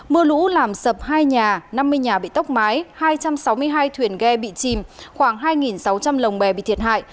mưa lũ làm sập hai nhà năm mươi nhà bị tốc mái hai trăm sáu mươi hai thuyền ghe bị chìm khoảng hai sáu trăm linh lồng bè bị thiệt hại